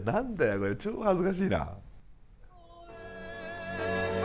これ超恥ずかしいな。